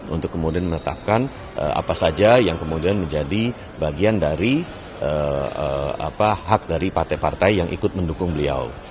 untuk kemudian menetapkan apa saja yang kemudian menjadi bagian dari hak dari partai partai yang ikut mendukung beliau